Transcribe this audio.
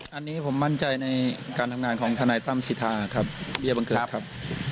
อันนี้ผมมั่นใจในการทำงานของทนายตั้มสิทธาครับเบี้ยบังเกิดครับ